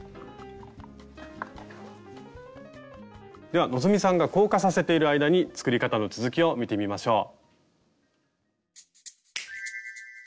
では希さんが硬化させている間に作り方の続きを見てみましょう。